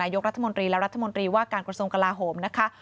ยกรัฐมนตรีและรัฐมนตรีว่าการกระทรวงกลาโหมนะคะ